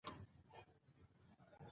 ډېر ناروغان د درد له امله سپورت نه کوي.